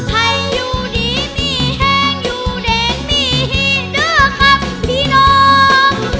ให้อยู่ดีมีแห้งอยู่เด็กมีหี้เดื้อขับมีน้อง